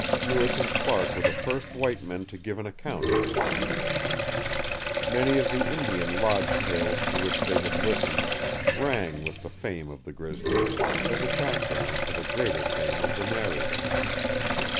Lewis and Clark were the first white men to give an account of this beast. Many of the Indian lodge tales to which they had listened rang with the fame of the grizzly, as a background for the greater fame of the narrators.